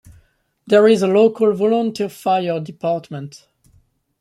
There is a local volunteer fire department.